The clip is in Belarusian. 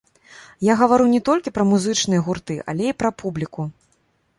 Я гавару не толькі пра музычныя гурты, але і пра публіку.